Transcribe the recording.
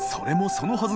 そのはず